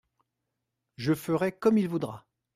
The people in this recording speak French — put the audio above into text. Je ferai comme il voudra.